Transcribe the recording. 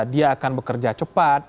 dia akan bekerja cepat